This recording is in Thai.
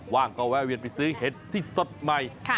ว่างก็แวะเวียนไปซื้อเห็ดที่สดใหม่